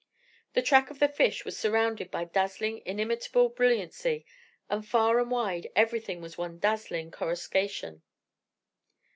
The track of the fish was surrounded by dazzling inimitable brilliancy, and far and wide everything was one dazzling coruscation.